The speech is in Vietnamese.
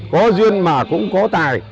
có duyên mà cũng có tài